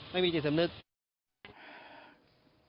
ไม่มีกฤตธรรมนึก